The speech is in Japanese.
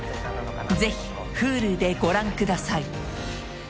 ぜひＨｕｌｕでご覧ください